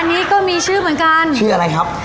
อันนี้ก็มีชื่อเหมือนกันชื่ออะไรครับ